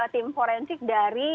tim forensik dari